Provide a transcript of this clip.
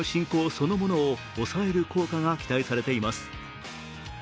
そのものを抑える効果が期待されています。